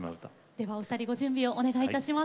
ではお二人ご準備をお願いいたします。